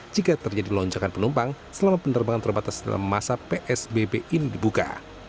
jika terjadi lonjakan penumpang selama penerbangan terbatas dalam masa psbb ini dibuka